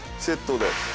セットで。